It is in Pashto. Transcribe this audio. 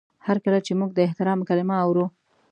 هر کله چې موږ د احترام کلمه اورو